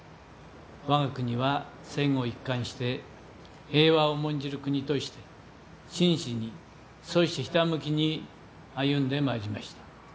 我が国は戦後一貫して平和を重んじる国として真摯に、そしてひたむきに歩んでまいりました。